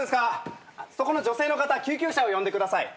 そこの女性の方救急車を呼んでください。